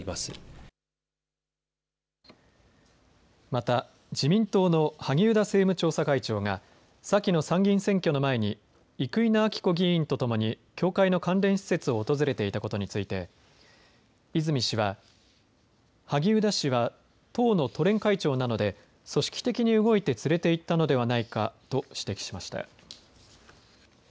また自民党の萩生田政務調査会長が先の参議院選挙の前に生稲晃子議員とともに教会の関連施設を訪れていたことについて泉氏は、萩生田氏は党の都連会長なので組織的に動いて連れて行ったのではないかと指摘しました。